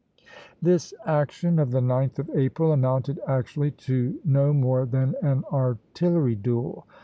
] This action of the 9th of April amounted actually to no more than an artillery duel.